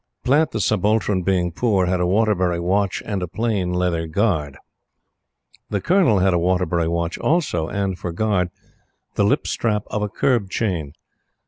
Platte, the Subaltern, being poor, had a Waterbury watch and a plain leather guard. The Colonel had a Waterbury watch also, and for guard, the lip strap of a curb chain.